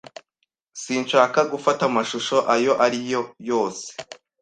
Sinshaka gufata amashusho ayo ari yo yose.